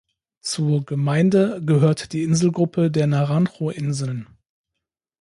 Zur Gemeinde gehört die Inselgruppe der Naranjo-Inseln.